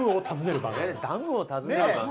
えっダムを訪ねる番組？